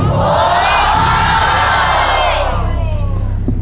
โอ้โห